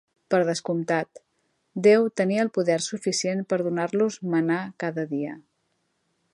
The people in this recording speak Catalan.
Per descomptat, Déu tenia el poder suficient per donar-los mannà cada dia.